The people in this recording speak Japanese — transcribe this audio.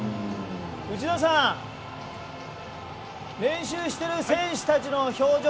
内田さん、練習してる選手たちの表情